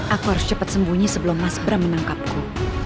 aku harus cepat sembunyi sebelum mas bram menangkapku